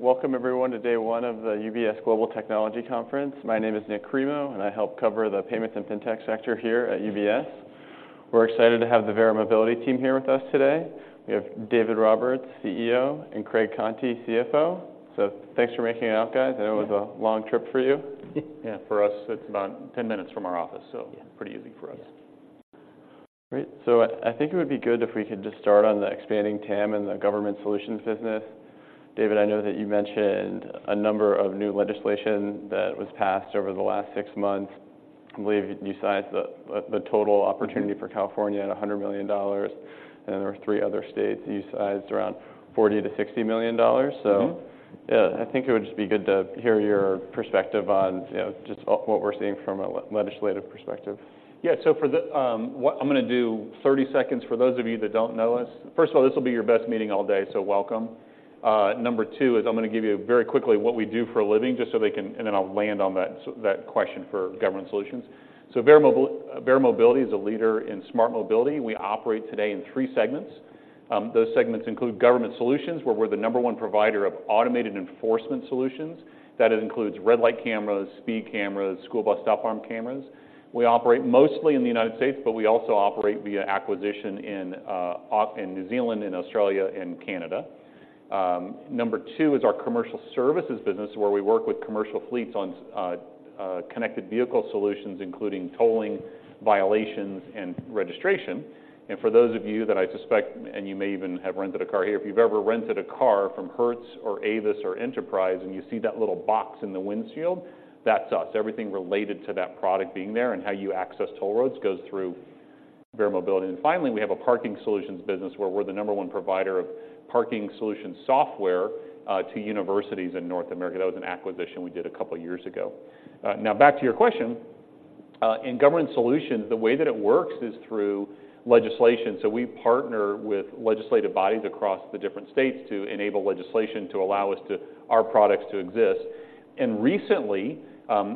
Welcome everyone to day one of the UBS Global Technology Conference. My name is Nik Cremo, and I help cover the payments and fintech sector here at UBS. We're excited to have the Verra Mobility team here with us today. We have David Roberts, CEO, and Craig Conti, CFO. So thanks for making it out, guys. I know it was a long trip for you. Yeah, for us, it's about 10 minutes from our office, so- Yeah. Pretty easy for us. Yeah. Great. So I think it would be good if we could just start on the expanding TAM and the Government Solutions business. David, I know that you mentioned a number of new legislation that was passed over the last six months. I believe you sized the total opportunity- Mm-hmm -for California at $100 million, and there were three other states you sized around $40 million-$60 million. Mm-hmm. Yeah, I think it would just be good to hear your perspective on, you know, just off what we're seeing from a legislative perspective. Yeah. So for the, what I'm going to do, 30 seconds for those of you that don't know us. First of all, this will be your best meeting all day, so welcome. Number two is I'm going to give you very quickly what we do for a living, just so they can... And then I'll land on that, so that question for Government Solutions. So Verra Mobility is a leader in smart mobility. We operate today in three segments. Those segments include Government Solutions, where we're the number one provider of automated enforcement solutions. That includes red light cameras, speed cameras, school bus stop arm cameras. We operate mostly in the United States, but we also operate via acquisition in also in New Zealand, in Australia, and Canada. Number two is our Commercial Services business, where we work with commercial fleets on connected vehicle solutions, including tolling, violations, and registration. And for those of you that I suspect, and you may even have rented a car here, if you've ever rented a car from Hertz or Avis or Enterprise, and you see that little box in the windshield, that's us. Everything related to that product being there and how you access toll roads goes through Verra Mobility. And finally, we have a Parking Solutions business, where we're the number one provider of parking solution software to universities in North America. That was an acquisition we did a couple of years ago. Now, back to your question. In Government Solutions, the way that it works is through legislation. So we partner with legislative bodies across the different states to enable legislation to allow our products to exist. And recently,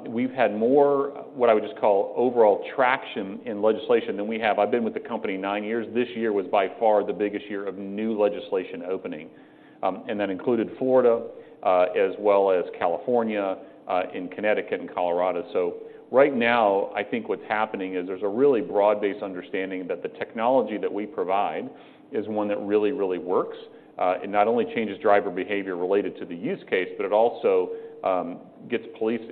we've had more, what I would just call, overall traction in legislation than we have. I've been with the company nine years. This year was by far the biggest year of new legislation opening. And that included Florida, as well as California, and Connecticut and Colorado. So right now, I think what's happening is there's a really broad-based understanding that the technology that we provide is one that really, really works, and not only changes driver behavior related to the use case, but it also,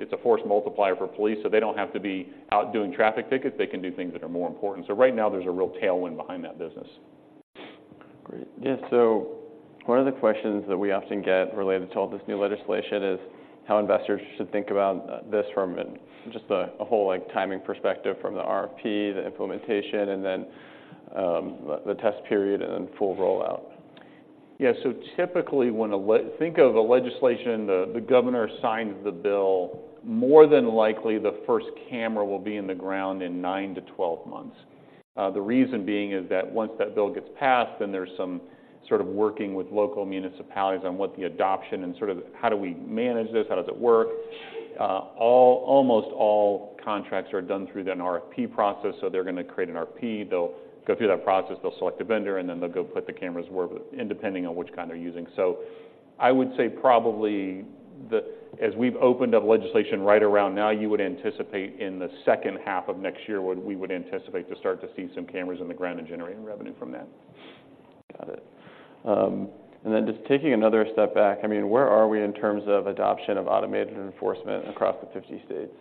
it's a force multiplier for police, so they don't have to be out doing traffic tickets. They can do things that are more important. So right now, there's a real tailwind behind that business. Great. Yeah, so one of the questions that we often get related to all this new legislation is how investors should think about this from just a whole, like, timing perspective, from the RFP, the implementation, and then the test period and then full rollout. Yeah. So typically, when legislation, the governor signs the bill, more than likely, the first camera will be in the ground in nine-12 months. The reason being is that once that bill gets passed, then there's some sort of working with local municipalities on what the adoption and sort of how do we manage this, how does it work? Almost all contracts are done through an RFP process, so they're going to create an RFP. They'll go through that process, they'll select a vendor, and then they'll go put the cameras where and depending on which kind they're using. So I would say probably, as we've opened up legislation right around now, you would anticipate in the second half of next year we would anticipate to start to see some cameras on the ground and generating revenue from that. Got it. And then just taking another step back, I mean, where are we in terms of adoption of automated enforcement across the 50 states?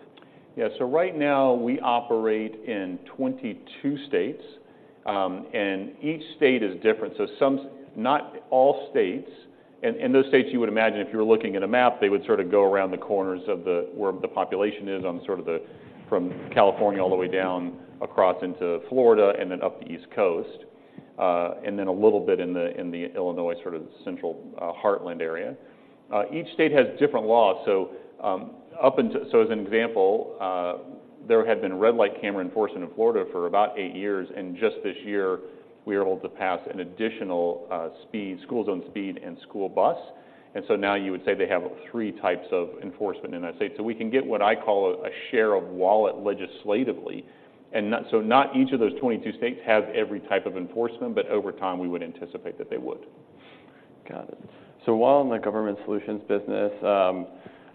Yeah. So right now, we operate in 22 states, and each state is different. Not all states, and those states you would imagine, if you were looking at a map, they would sort of go around the corners of where the population is on sort of the, from California all the way down across into Florida and then up the East Coast, and then a little bit in the Illinois sort of central heartland area. Each state has different laws. As an example, there had been red light camera enforcement in Florida for about eight years, and just this year, we were able to pass an additional speed, school zone speed and school bus. And so now you would say they have three types of enforcement in that state. So we can get what I call a share of wallet legislatively, and so not each of those 22 states have every type of enforcement, but over time, we would anticipate that they would. Got it. So while in the Government Solutions business,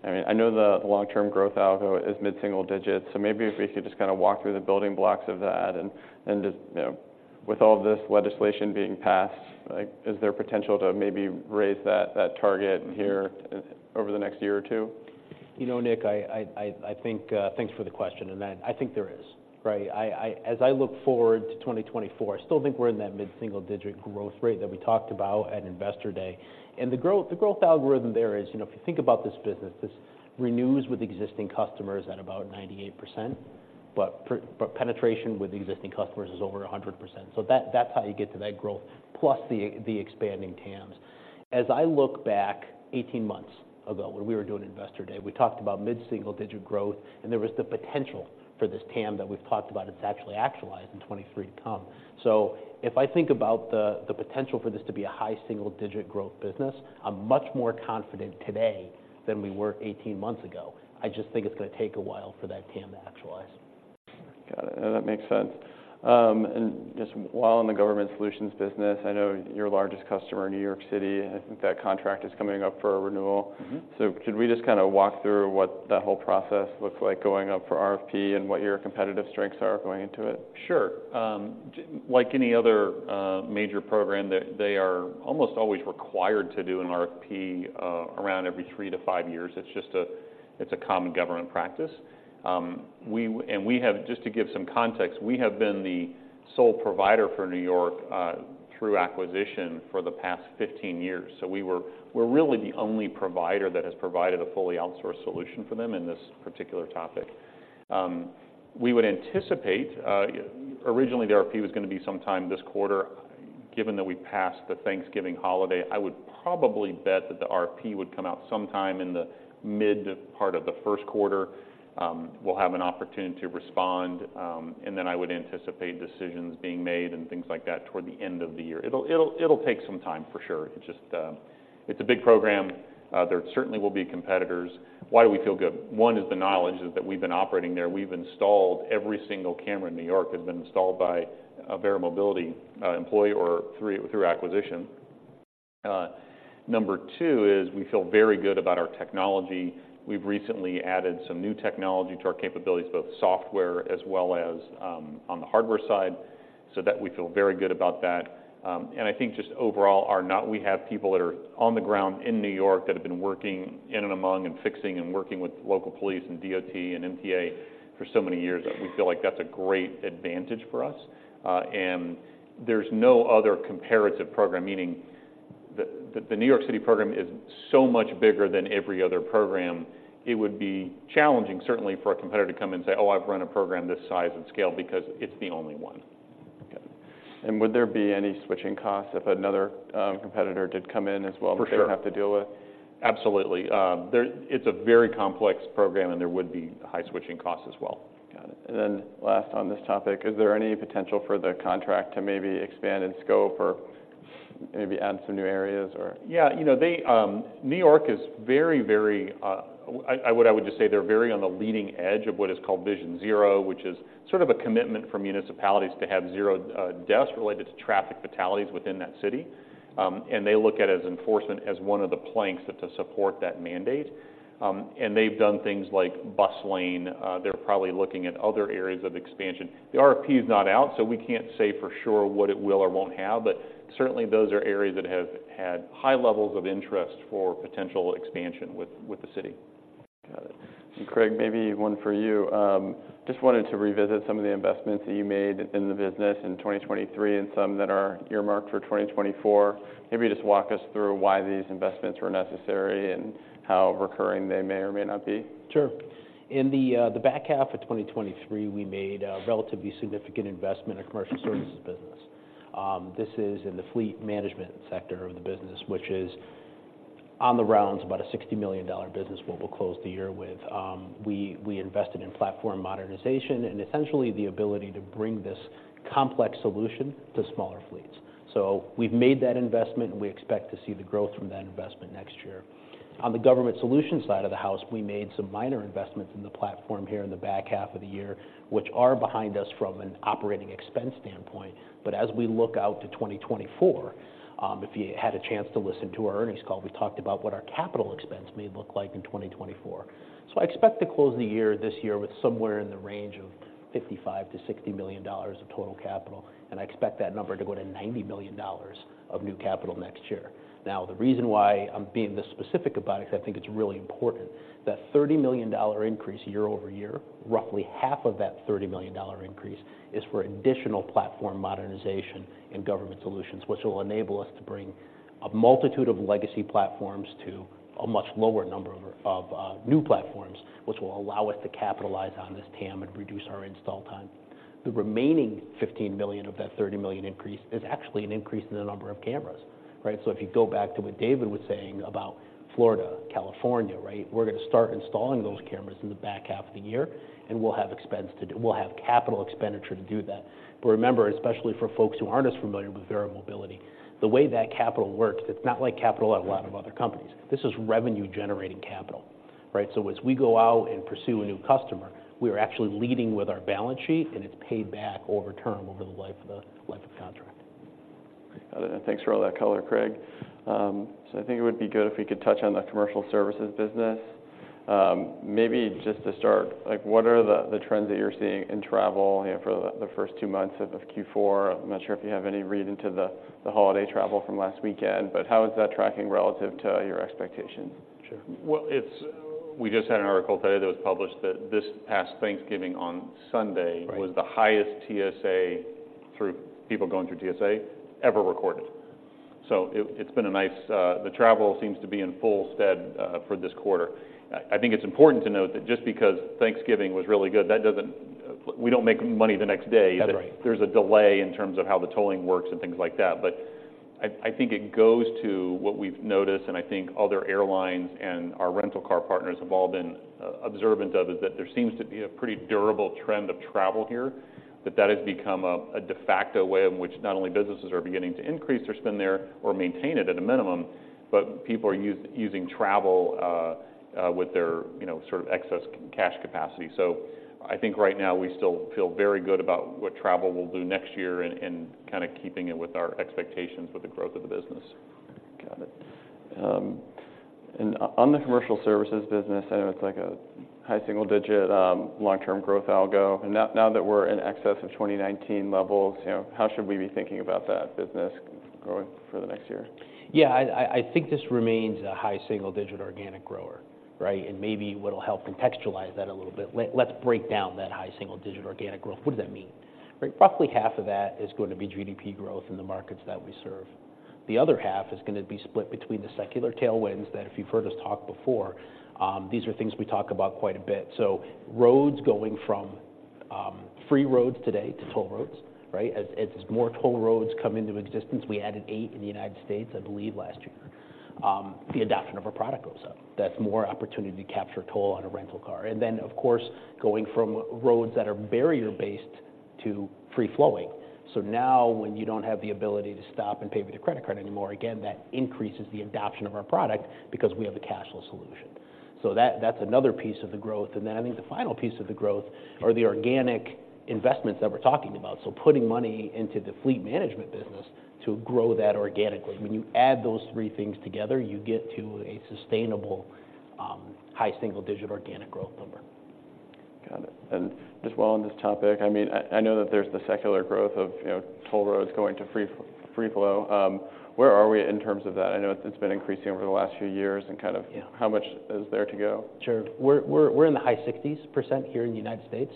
I mean, I know the long-term growth algo is mid-single digits, so maybe if we could just kind of walk through the building blocks of that and, and just, you know, with all this legislation being passed, like, is there potential to maybe raise that, that target here over the next year or two? You know, Nik, I think, thanks for the question. And then, I think there is, right? As I look forward to 2024, I still think we're in that mid-single-digit growth rate that we talked about at Investor Day. And the growth, the growth algorithm there is, you know, if you think about this business, this renews with existing customers at about 98%, but penetration with existing customers is over 100%. So that's how you get to that growth, plus the expanding TAMs. As I look back eighteen months ago, when we were doing Investor Day, we talked about mid-single-digit growth, and there was the potential for this TAM that we've talked about. It's actually actualized in 2023 to come. So if I think about the potential for this to be a high single-digit growth business, I'm much more confident today than we were 18 months ago. I just think it's going to take a while for that TAM to actualize.... Got it. That makes sense. Just while in the Government Solutions business, I know your largest customer in New York City, and I think that contract is coming up for a renewal. Mm-hmm. So could we just kind of walk through what that whole process looks like going up for RFP and what your competitive strengths are going into it? Sure. Like any other major program, they are almost always required to do an RFP around every three-five years. It's just a common government practice. Just to give some context, we have been the sole provider for New York through acquisition for the past 15 years. So we're really the only provider that has provided a fully outsourced solution for them in this particular topic. We would anticipate originally, the RFP was going to be sometime this quarter. Given that we passed the Thanksgiving holiday, I would probably bet that the RFP would come out sometime in the mid part of the first quarter. We'll have an opportunity to respond, and then I would anticipate decisions being made and things like that toward the end of the year. It'll take some time for sure. It's just, it's a big program. There certainly will be competitors. Why do we feel good? One is the knowledge is that we've been operating there. We've installed every single camera in New York that has been installed by a Verra Mobility employee or through acquisition. Number two is we feel very good about our technology. We've recently added some new technology to our capabilities, both software as well as on the hardware side, so that we feel very good about that. And I think just overall, our network we have people that are on the ground in New York that have been working in and among, and fixing and working with local police, and DOT, and MTA for so many years, that we feel like that's a great advantage for us. There's no other comparative program, meaning the New York City program is so much bigger than every other program. It would be challenging, certainly for a competitor to come and say, "Oh, I've run a program this size and scale," because it's the only one. Okay. And would there be any switching costs if another competitor did come in as well? For sure that they'd have to deal with? Absolutely. There, it's a very complex program, and there would be high switching costs as well. Got it. And then last on this topic, is there any potential for the contract to maybe expand in scope or maybe add some new areas or? Yeah, you know, they, New York is very, very. I would just say they're very on the leading edge of what is called Vision Zero, which is sort of a commitment from municipalities to have zero deaths related to traffic fatalities within that city. And they look at enforcement as one of the planks to support that mandate. And they've done things like bus lane. They're probably looking at other areas of expansion. The RFP is not out, so we can't say for sure what it will or won't have, but certainly, those are areas that have had high levels of interest for potential expansion with the city. Got it. And, Craig, maybe one for you. Just wanted to revisit some of the investments that you made in the business in 2023 and some that are earmarked for 2024. Maybe just walk us through why these investments were necessary and how recurring they may or may not be. Sure. In the back half of 2023, we made a relatively significant investment in Commercial Services business. This is in the fleet management sector of the business, which is on the rounds, about a $60 million business, what we'll close the year with. We invested in platform modernization and essentially the ability to bring this complex solution to smaller fleets. So we've made that investment, and we expect to see the growth from that investment next year. On the Government SolutionS side of the house, we made some minor investments in the platform here in the back half of the year, which are behind us from an operating expense standpoint. But as we look out to 2024, if you had a chance to listen to our earnings call, we talked about what our capital expense may look like in 2024. So I expect to close the year, this year with somewhere in the range of $55 million-$60 million of total capital, and I expect that number to go to $90 million of new capital next year. Now, the reason why I'm being this specific about it, because I think it's really important, that $30 million increase year-over-year, roughly half of that $30 million increase, is for additional platform modernization and Government Solutions, which will enable us to bring a multitude of legacy platforms to a much lower number of new platforms, which will allow us to capitalize on this TAM and reduce our install time. The remaining 15 million of that 30 million increase is actually an increase in the number of cameras, right? So if you go back to what David was saying about Florida, California, right? We're going to start installing those cameras in the back half of the year, and we'll have expense to do, we'll have capital expenditure to do that. But remember, especially for folks who aren't as familiar with Verra Mobility, the way that capital works, it's not like capital at a lot of other companies. This is revenue-generating capital, right? So as we go out and pursue a new customer, we are actually leading with our balance sheet, and it's paid back over term, over the life of the, life of contract. Got it. Thanks for all that color, Craig. So I think it would be good if we could touch on the Commercial Services business. Maybe just to start, like, what are the trends that you're seeing in travel, you know, for the first two months of Q4? I'm not sure if you have any read into the holiday travel from last weekend, but how is that tracking relative to your expectations? Sure. Well, it's—we just had an article today that was published that this past Thanksgiving on Sunday- Right was the highest TSA throughput, people going through TSA, ever recorded. So it, it's been a nice... The travel seems to be in full stead, for this quarter. I think it's important to note that just because Thanksgiving was really good, that doesn't... We don't make money the next day. That's right. There's a delay in terms of how the tolling works and things like that. But I think it goes to what we've noticed, and I think other airlines and our rental car partners have all been observant of, is that there seems to be a pretty durable trend of travel here... that has become a de facto way in which not only businesses are beginning to increase their spend there or maintain it at a minimum, but people are using travel with their, you know, sort of excess cash capacity. So I think right now we still feel very good about what travel will do next year and kind of keeping it with our expectations for the growth of the business. Got it. And on the Commercial Services business, I know it's like a high single digit, long-term growth algo, and now that we're in excess of 2019 levels, you know, how should we be thinking about that business growing for the next year? Yeah, I think this remains a high single digit organic grower, right? And maybe what'll help contextualize that a little bit, let's break down that high single digit organic growth. What does that mean, right? Roughly half of that is going to be GDP growth in the markets that we serve. The other half is going to be split between the secular tailwinds, that if you've heard us talk before, these are things we talk about quite a bit. So roads going from free roads today to toll roads, right? As more toll roads come into existence, we added eight in the United States, I believe, last year. The adoption of our product goes up. That's more opportunity to capture toll on a rental car, and then, of course, going from roads that are barrier-based to free flowing. So now, when you don't have the ability to stop and pay with your credit card anymore, again, that increases the adoption of our product because we have a cashless solution. So that's another piece of the growth, and then I think the final piece of the growth are the organic investments that we're talking about, so putting money into the fleet management business to grow that organically. When you add those three things together, you get to a sustainable, high single digit organic growth number. Got it. And just while on this topic, I mean, I know that there's the secular growth of, you know, toll roads going to free flow. Where are we in terms of that? I know it's been increasing over the last few years and kind of- Yeah... how much is there to go? Sure. We're in the high 60s% here in the United States,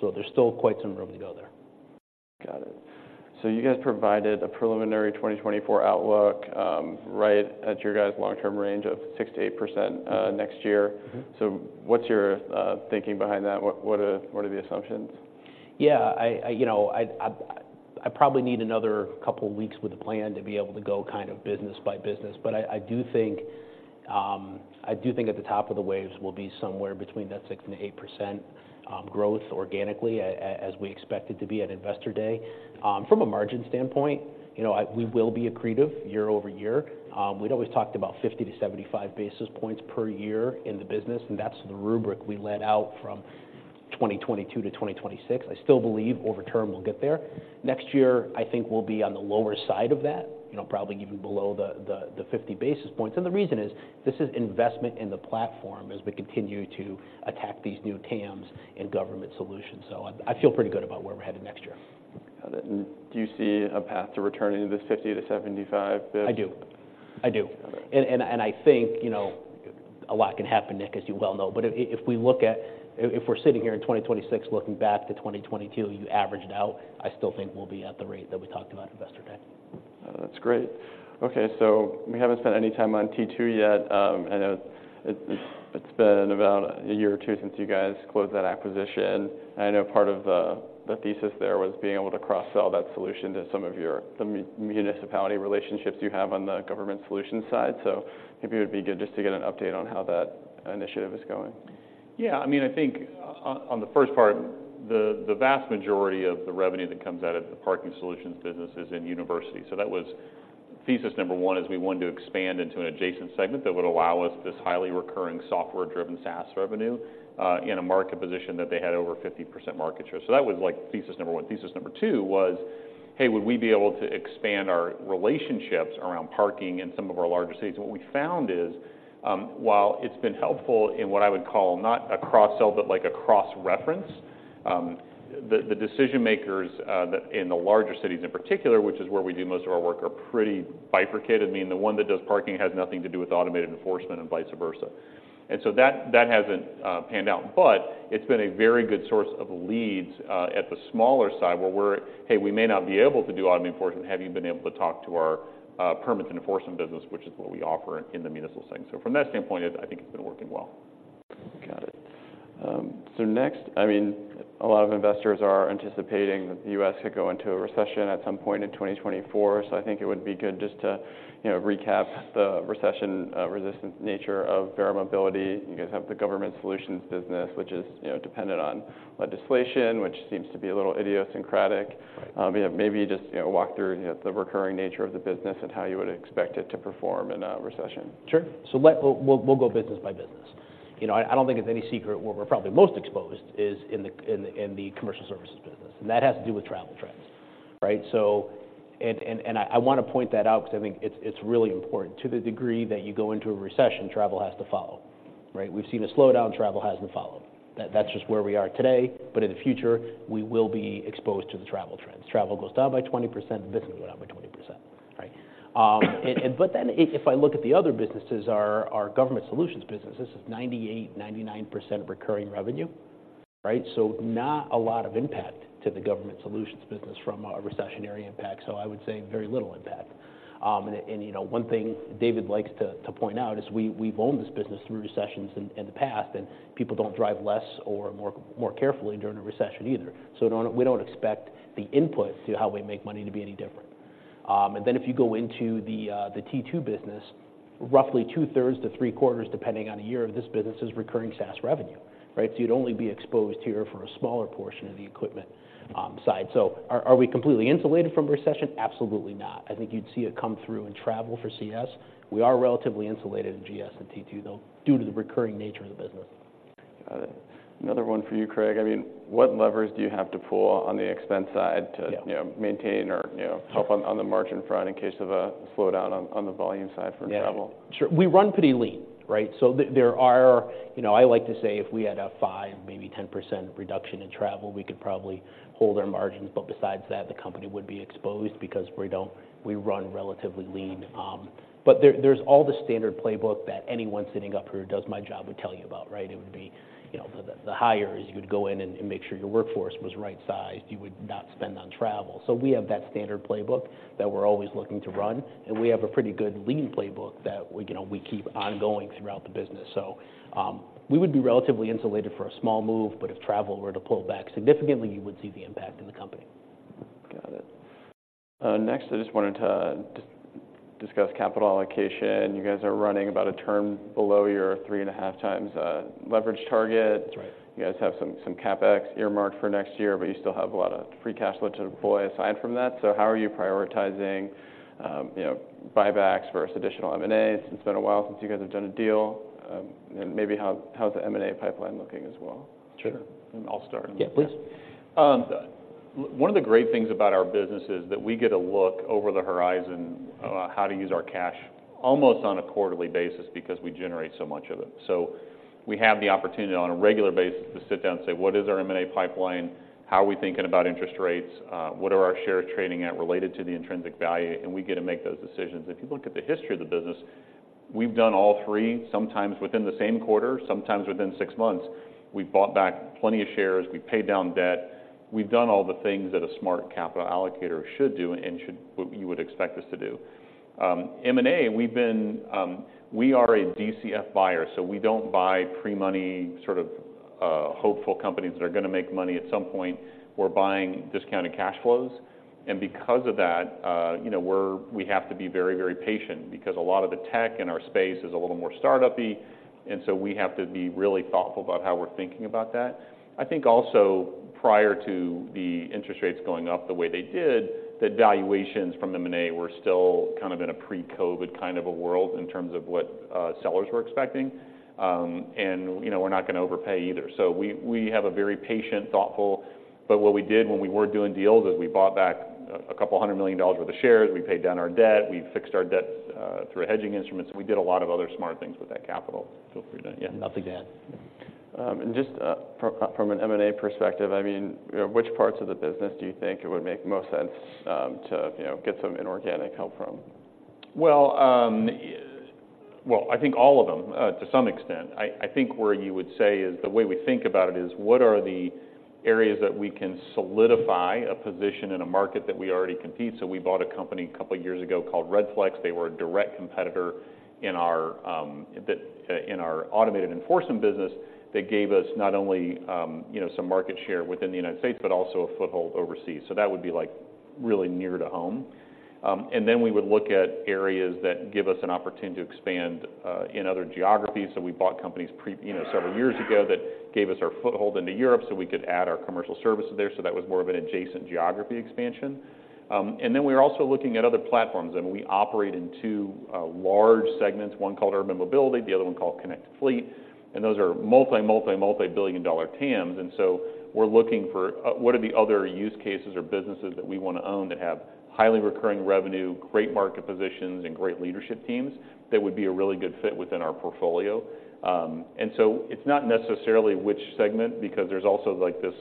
so there's still quite some room to go there. Got it. So you guys provided a preliminary 2024 outlook, right at your guys' long-term range of 6%-8%, next year. Mm-hmm. So what's your thinking behind that? What are the assumptions? Yeah, you know, I probably need another couple weeks with the plan to be able to go kind of business by business. But I do think I do think at the top of the waves we'll be somewhere between that 6% and 8% growth organically, as we expect it to be at Investor Day. From a margin standpoint, you know, we will be accretive year-over-year. We'd always talked about 50-75 basis points per year in the business, and that's the rubric we laid out from 2022 to 2026. I still believe over term we'll get there. Next year, I think we'll be on the lower side of that, you know, probably even below the 50 basis points, and the reason is, this is investment in the platform as we continue to attack these new TAMs in Government Solutions. So I feel pretty good about where we're headed next year. Got it. And do you see a path to returning to this 50-75 bps? I do. I do. Okay. I think, you know, a lot can happen, Nik, as you well know. But if we look at... If we're sitting here in 2026, looking back to 2022, you average it out, I still think we'll be at the rate that we talked about Investor Day. That's great. Okay, so we haven't spent any time on T2 yet. I know it's been about a year or two since you guys closed that acquisition. I know part of the thesis there was being able to cross-sell that solution to some of your municipality relationships you have on the Government Solutions side. So maybe it would be good just to get an update on how that initiative is going. Yeah, I mean, I think on the first part, the vast majority of the revenue that comes out of the Parking Solutions business is in university. So that was thesis number one, is we wanted to expand into an adjacent segment that would allow us this highly recurring, software-driven SaaS revenue in a market position that they had over 50% market share. So that was, like, thesis number one. Thesis number two was, hey, would we be able to expand our relationships around parking in some of our larger cities? What we found is, while it's been helpful in what I would call not a cross-sell but like a cross-reference, the decision makers in the larger cities in particular, which is where we do most of our work, are pretty bifurcated. I mean, the one that does parking has nothing to do with automated enforcement and vice versa. And so that, that hasn't panned out. But it's been a very good source of leads at the smaller side, where we're, "Hey, we may not be able to do automated enforcement. Have you been able to talk to our permits and enforcement business?" Which is what we offer in the municipal segment. So from that standpoint, I think it's been working well. Got it. So next, I mean, a lot of investors are anticipating that the U.S. could go into a recession at some point in 2024, so I think it would be good just to, you know, recap the recession-resistant nature of Verra Mobility. You guys have the Government Solutions business, which is, you know, dependent on legislation, which seems to be a little idiosyncratic. Right. You know, maybe just, you know, walk through, you know, the recurring nature of the business and how you would expect it to perform in a recession. Sure. So... We'll go business by business. You know, I don't think it's any secret, where we're probably most exposed is in the Commercial Services business, and that has to do with travel trends, right? So, and I want to point that out because I think it's really important. To the degree that you go into a recession, travel has to follow, right? We've seen a slowdown, travel hasn't followed. That's just where we are today, but in the future, we will be exposed to the travel trends. Travel goes down by 20%, this will go down by 20%, right? And but then if I look at the other businesses, our Government Solutions business, this is 98%-99% recurring revenue, right? So not a lot of impact to the Government Solutions business from a recessionary impact, so I would say very little impact. And you know, one thing David likes to point out is we've owned this business through recessions in the past, and people don't drive less or more carefully during a recession either. So we don't expect the input to how we make money to be any different. And then if you go into the T2 business, roughly 2/3-3/4, depending on the year, of this business is recurring SaaS revenue, right? So you'd only be exposed here for a smaller portion of the equipment side. So are we completely insulated from recession? Absolutely not. I think you'd see it come through in travel for CS. We are relatively insulated in GS and T2, though, due to the recurring nature of the business. Got it. Another one for you, Craig. I mean, what levers do you have to pull on the expense side to- Yeah —you know, maintain or, you know, help on the margin front in case of a slowdown on the volume side for travel? Yeah. Sure. We run pretty lean, right? So there are... You know, I like to say, if we had a 5%, maybe 10% reduction in travel, we could probably hold our margins, but besides that, the company would be exposed because we don't-- we run relatively lean. But there's all the standard playbook that anyone sitting up here who does my job would tell you about, right? It would be, you know, the hires. You would go in and make sure your workforce was right-sized. You would not spend on travel. So we have that standard playbook that we're always looking to run, and we have a pretty good lean playbook that, you know, we keep ongoing throughout the business. So, we would be relatively insulated for a small move, but if travel were to pull back significantly, you would see the impact in the company. Got it. Next, I just wanted to discuss capital allocation. You guys are running about a turn below your 3.5x leverage target. That's right. You guys have some CapEx earmarked for next year, but you still have a lot of free cash flow to deploy aside from that. So how are you prioritizing, you know, buybacks versus additional M&A? It's been a while since you guys have done a deal. And maybe how's the M&A pipeline looking as well? Sure. I'll start. Yeah, please. One of the great things about our business is that we get a look over the horizon on how to use our cash almost on a quarterly basis because we generate so much of it. So we have the opportunity on a regular basis to sit down and say: What is our M&A pipeline? How are we thinking about interest rates? What are our shares trading at related to the intrinsic value? And we get to make those decisions. If you look at the history of the business, we've done all three, sometimes within the same quarter, sometimes within six months. We've bought back plenty of shares. We've paid down debt. We've done all the things that a smart capital allocator should do and should... What you would expect us to do. M&A, we've been, we are a DCF buyer, so we don't buy pre-money, sort of, hopeful companies that are going to make money at some point. We're buying discounted cash flows, and because of that, you know, we have to be very, very patient because a lot of the tech in our space is a little more startup-y, and so we have to be really thoughtful about how we're thinking about that. I think also, prior to the interest rates going up the way they did, the valuations from M&A were still kind of in a pre-COVID kind of a world in terms of what, sellers were expecting. And, you know, we're not going to overpay either. So we have a very patient, thoughtful... But what we did when we were doing deals is we bought back $200 million worth of shares. We paid down our debt. We fixed our debt through hedging instruments. We did a lot of other smart things with that capital. Feel free to... Yeah, nothing to add. Just from an M&A perspective, I mean, you know, which parts of the business do you think it would make the most sense to, you know, get some inorganic help from? Well, I think all of them to some extent. I think where you would say is, the way we think about it is: What are the areas that we can solidify a position in a market that we already compete? So we bought a company a couple of years ago called Redflex. They were a direct competitor in our automated enforcement business. They gave us not only, you know, some market share within the United States, but also a foothold overseas, so that would be, like, really near to home. And then we would look at areas that give us an opportunity to expand in other geographies. So we bought companies pre- you know, several years ago that gave us our foothold into Europe, so we could add our Commercial Services there. So that was more of an adjacent geography expansion. And then we're also looking at other platforms, and we operate in two large segments, one called Urban Mobility, the other one called Connected Fleet, and those are multi, multi, multi-billion-dollar TAMs. And so we're looking for what are the other use cases or businesses that we want to own that have highly recurring revenue, great market positions, and great leadership teams that would be a really good fit within our portfolio? And so it's not necessarily which segment, because there's also, like, this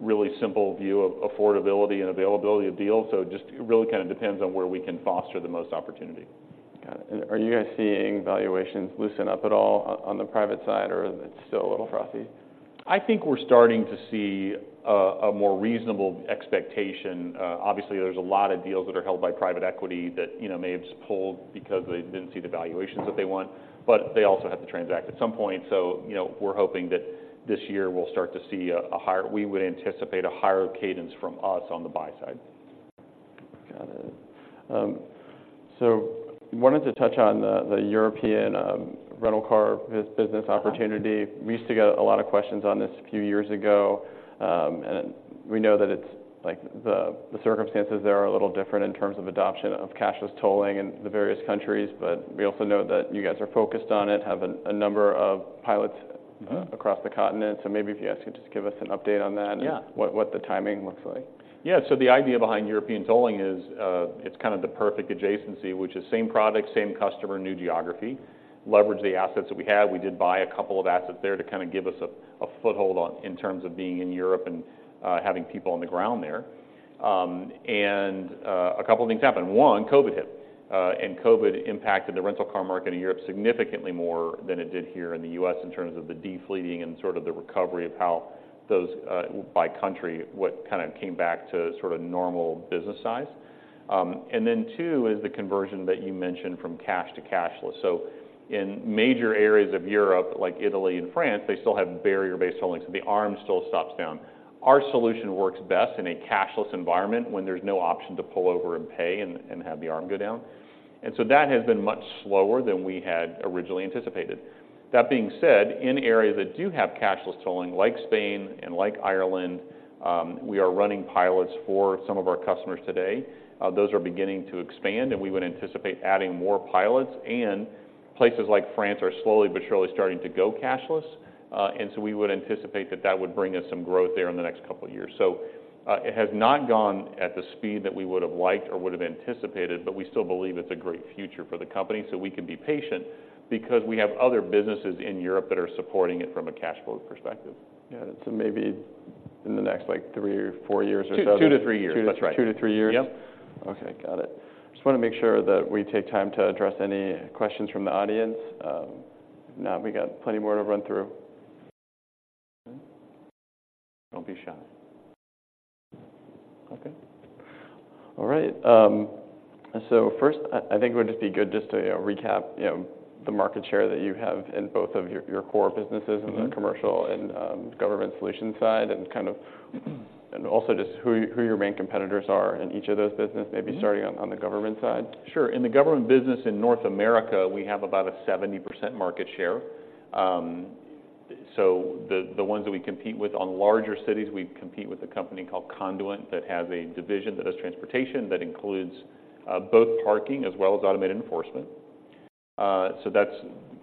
really simple view of affordability and availability of deals, so it just really kind of depends on where we can foster the most opportunity. Got it. Are you guys seeing valuations loosen up at all on, on the private side, or it's still a little frosty? I think we're starting to see a more reasonable expectation. Obviously, there's a lot of deals that are held by private equity that, you know, may have just pulled because they didn't see the valuations that they want, but they also have to transact at some point. So, you know, we're hoping that this year we'll start to see a higher. We would anticipate a higher cadence from us on the buy side. Got it. So wanted to touch on the European rental car business opportunity. We used to get a lot of questions on this a few years ago, and we know that it's, like, the circumstances there are a little different in terms of adoption of cashless tolling in the various countries, but we also know that you guys are focused on it, have a number of pilots- Mm-hmm... across the continent. Maybe if you guys could just give us an update on that- Yeah... what the timing looks like. Yeah. So the idea behind European tolling is, it's kind of the perfect adjacency, which is same product, same customer, new geography. Leverage the assets that we had. We did buy a couple of assets there to kind of give us a foothold in terms of being in Europe and, having people on the ground there. And a couple of things happened: One, COVID hit, and COVID impacted the rental car market in Europe significantly more than it did here in the U.S. in terms of the de-fleeting and sort of the recovery of how those, by country, what kind of came back to sort of normal business size. And then two is the conversion that you mentioned from cash to cashless. So in major areas of Europe, like Italy and France, they still have barrier-based tolling, so the arm still stops down. Our solution works best in a cashless environment when there's no option to pull over and pay and have the arm go down, and so that has been much slower than we had originally anticipated. That being said, in areas that do have cashless tolling, like Spain and like Ireland, we are running pilots for some of our customers today. Those are beginning to expand, and we would anticipate adding more pilots. And places like France are slowly but surely starting to go cashless, and so we would anticipate that that would bring us some growth there in the next couple years. So, it has not gone at the speed that we would've liked or would've anticipated, but we still believe it's a great future for the company, so we can be patient because we have other businesses in Europe that are supporting it from a cash flow perspective. Yeah, so maybe in the next, like, three or four years or so- two-three years. Two- That's right. two-three years? Yep. Okay, got it. Just want to make sure that we take time to address any questions from the audience, if not, we got plenty more to run through. Don't be shy. Okay. All right, so first, I think it would just be good just to, you know, recap, you know, the market share that you have in both of your core businesses- Mm-hmm ...in the Commercial and Government Solutions side, and kind of, and also just who your main competitors are in each of those business- Mm-hmm Maybe starting on the government side. Sure. In the government business in North America, we have about a 70% market share. So the ones that we compete with on larger cities, we compete with a company called Conduent, that has a division that does transportation, that includes both parking as well as automated enforcement. So that's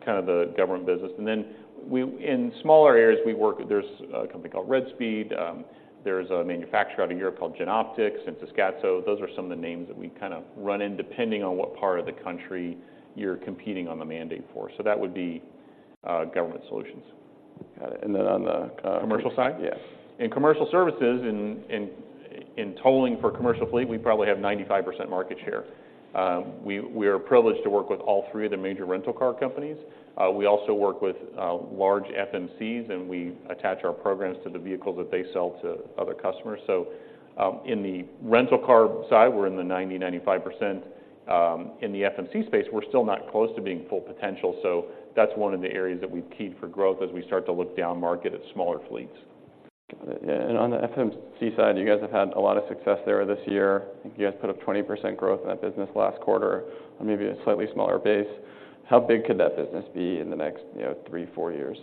kind of the government business. And then, in smaller areas, there's a company called RedSpeed. There's a manufacturer out of Europe called Jenoptik, and Sensys Gatso. Those are some of the names that we kind of run in, depending on what part of the country you're competing on the mandate for. So that would be Government Solutions. Got it, and then on the, Commercial side? Yeah. In Commercial Services, in tolling for commercial fleet, we probably have 95% market share. We are privileged to work with all three of the major rental car companies. We also work with large FMCs, and we attach our programs to the vehicles that they sell to other customers. So, in the rental car side, we're in the 95%. In the FMC space, we're still not close to being full potential, so that's one of the areas that we key for growth as we start to look down-market at smaller fleets. Got it. Yeah, and on the FMC side, you guys have had a lot of success there this year. I think you guys put up 20% growth in that business last quarter, or maybe a slightly smaller base. How big could that business be in the next, you know, three, four years?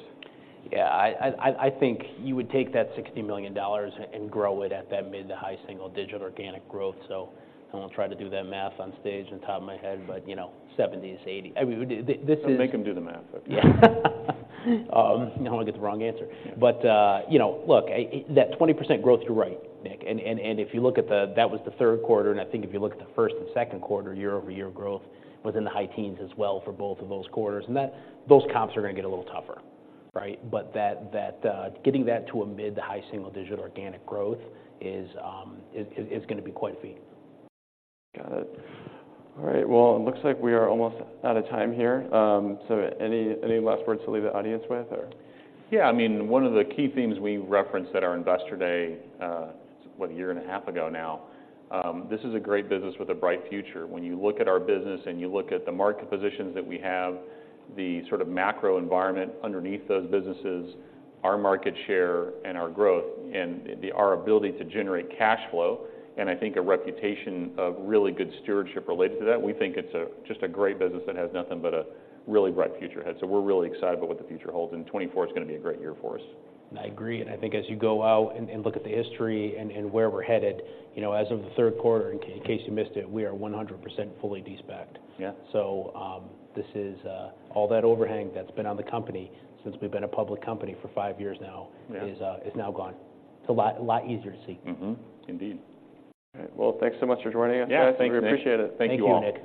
Yeah, I think you would take that $60 million and grow it at that mid- to high-single-digit organic growth. So I won't try to do that math on stage, off the top of my head, but, you know, 70, 80. I mean, this is- Don't make him do the math. I'm going to get the wrong answer. But, you know, look, that 20% growth, you're right, Nik, and if you look at the... That was the third quarter, and I think if you look at the first and second quarter, year-over-year growth was in the high teens as well for both of those quarters. And that, those comps are going to get a little tougher, right? But that, getting that to a mid- to high-single-digit organic growth is going to be quite a feat. Got it. All right, well, it looks like we are almost out of time here. So any last words to leave the audience with, or? Yeah, I mean, one of the key themes we referenced at our Investor Day, a year and a half ago now, this is a great business with a bright future. When you look at our business and you look at the market positions that we have, the sort of macro environment underneath those businesses, our market share and our growth and our ability to generate cash flow, and I think a reputation of really good stewardship related to that, we think it's just a great business that has nothing but a really bright future ahead. So we're really excited about what the future holds, and 2024 is going to be a great year for us. I agree, and I think as you go out and look at the history and where we're headed, you know, as of the third quarter, in case you missed it, we are 100% fully de-SPAC'd. Yeah. All that overhang that's been on the company since we've been a public company for five years now. Yeah... is, is now gone. It's a lot, a lot easier to see. Mm-hmm. Indeed. All right, well, thanks so much for joining us, guys. Yeah, thank you, Nik. We appreciate it. Thank you all. Thank you, Nik.